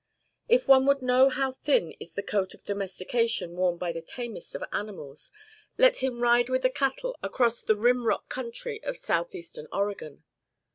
If one would know how thin is the coat of domestication worn by the tamest of animals, let him ride with the cattle across the rim rock country of southeastern Oregon.